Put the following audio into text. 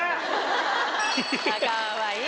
かわいい。